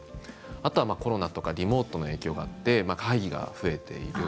あとはコロナとかリモートの影響があって会議が増えている。